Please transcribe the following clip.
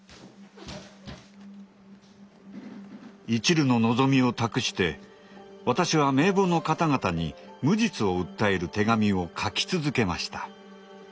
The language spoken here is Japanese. いちるの望みを託して私は名簿の方々に無実を訴える手紙を書き続けました。